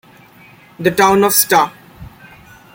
The town of Sta.